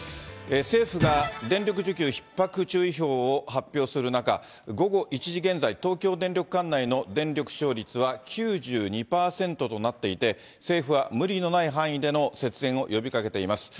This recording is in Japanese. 政府が電力需給ひっ迫注意報を発表する中、午後１時現在、東京電力管内の電力使用率は９２％となっていて、政府は無理のない範囲での節電を呼びかけています。